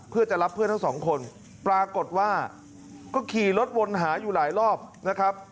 เพื่อจะรับเพื่อนทั้งสองคนปรากฏว่าก็ขี่รถวนหาอยู่หลายรอบนะครับ